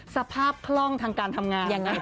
สภาพคล่องทางการทำงาน